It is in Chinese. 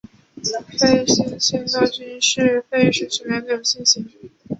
费希新萨托菌是费氏曲霉的有性型。